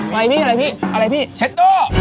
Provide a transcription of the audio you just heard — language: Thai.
อะไรพี่อะไรพี่อะไรพี่ชัดตัว